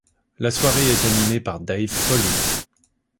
La soirée est animée par Dave Foley.